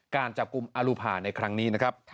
การจับกลุ่มอรุภาในครั้งนี้นะครับ